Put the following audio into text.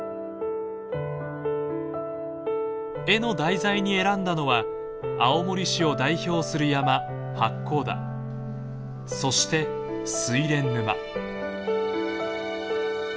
絵の題材に選んだのは青森市を代表する山八甲田そして睡蓮沼。